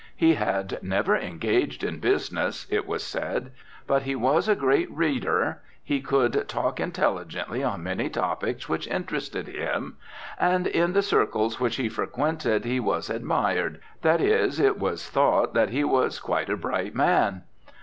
He had "never engaged in business," it was said, but he "was a great reader," he could "talk intelligently on many topics which interested him," and in the circles which he frequented he was admired, that is it was thought that he was "quite a bright man."